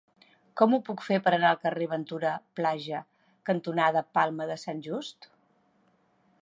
Com ho puc fer per anar al carrer Ventura Plaja cantonada Palma de Sant Just?